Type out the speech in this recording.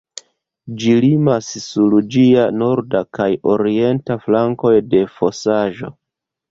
Ĝi limas sur ĝia norda kaj orienta flankoj de fosaĵo.